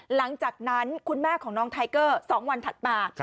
หลังจากนั้นคุณแม่ของน้องไทเกอร์๒วันถัดมา